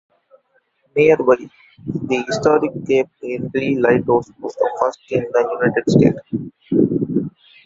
Nearby, the historic Cape Henry Lighthouse was the first in the United States.